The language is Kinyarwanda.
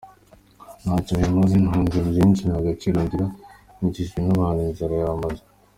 Ntacyo bimaze ntunze byinshi nta gaciro ngira nkikijwe n’abantu inzara yamaze.